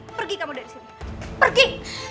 pergi kamu dari sini pergi